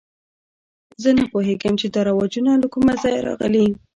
زه نه پوهېږم چې دا رواجونه له کومه ځایه راغلي.